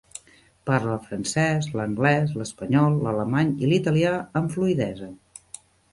Parla el francès, l'anglès, l'espanyol, l'alemany i l'italià amb fluïdesa.